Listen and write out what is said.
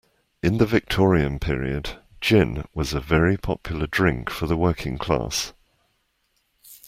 In the Victorian period gin was a very popular drink for the working class